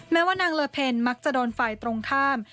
ว่านางเลอเพลมักจะโดนฝ่ายตรงข้าม